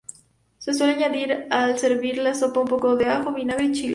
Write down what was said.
Se suele añadir al servir la sopa un poco de ajo, vinagre y chiles.